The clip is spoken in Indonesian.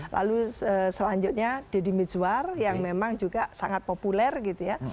lalu selanjutnya deddy mizwar yang memang juga sangat populer gitu ya